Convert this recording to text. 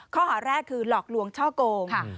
ข้อหาแรกคือหลอกลวงช่อโกง